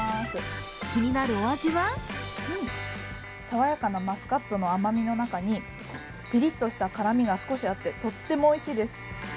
爽やかなマスカットの甘みの中にピリッとした辛みが少しあって、とってもおいしいです。